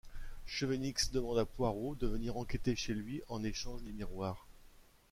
Chevenix demande à Poirot de venir enquêter chez lui en échange du miroir.